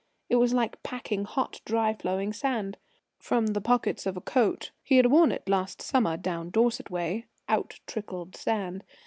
It was like packing hot, dry, flowing sand. From the pockets of a coat he had worn it last summer down Dorset way out trickled sand.